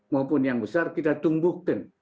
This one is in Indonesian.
maupun yang besar kita tumbuhkan